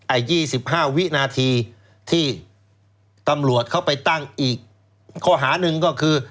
ไอ้ยี่สิบห้าวินาทีที่ตำลวดเขาไปตั้งอีกข้อหาหนึ่งก็คือ